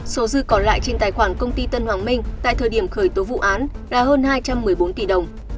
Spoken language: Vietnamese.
số dư còn lại trên tài khoản công ty tân hoàng minh tại thời điểm khởi tố vụ án là hơn hai trăm một mươi bốn tỷ đồng